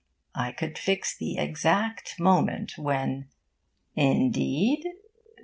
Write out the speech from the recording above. I could fix the exact moment when 'Indeed?'